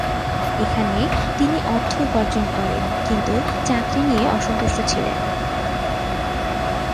এখানে তিনি অর্থ উপার্জন করেন, কিন্তু চাকরি নিয়ে অসন্তুষ্ট ছিলেন।